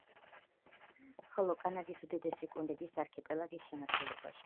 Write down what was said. ხოლო კანადის უდიდესი კუნძულების ათეულიდან ცხრა შედის არქიპელაგის შემადგენლობაში.